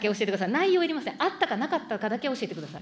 内容はいりません、あったかなかったかだけ教えてください。